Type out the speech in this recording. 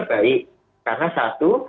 baik karena satu